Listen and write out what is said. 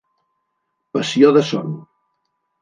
Passió de son.